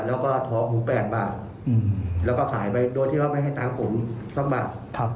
แล้วก็ท้อผม๘บาทแล้วก็ขายไปโดยที่ก็ไม่ให้ตังค์ผมซ้ำบัด